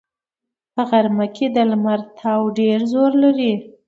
په غرمه کې د لمر تاو ډېر زور لري